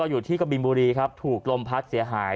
อยู่ที่กะบินบุรีครับถูกลมพัดเสียหาย